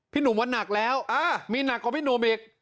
หนุ่มว่านักแล้วมีหนักกว่าพี่หนุ่มอีก